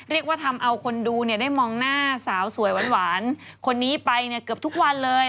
เรียกว่าทำเอาคนดูได้มองหน้าสาวสวยหวานคนนี้ไปเนี่ยเกือบทุกวันเลย